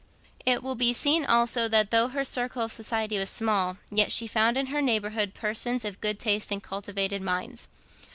It will be seen also that though her circle of society was small, yet she found in her neighbourhood persons of good taste and cultivated minds.